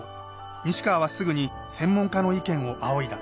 西川はすぐに専門家の意見を仰いだ。